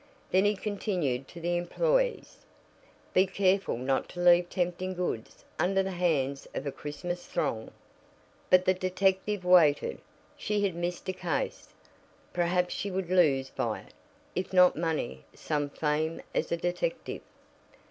Then he continued to the employes: "Be careful not to leave tempting goods under the hands of a Christmas throng." But the detective waited. She had missed a case perhaps she would lose by it, if not money, some fame as a detective.